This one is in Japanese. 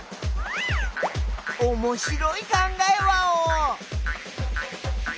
おもしろい考えワオ！